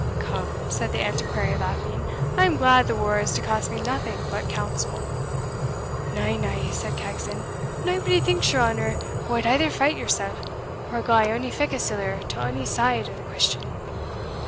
"Come," said the Antiquary, laughing "I am glad the war is to cost me nothing but counsel." "Na, na," said Caxon "naebody thinks your honour wad either fight yoursell, or gie ony feck o' siller to ony side o' the question."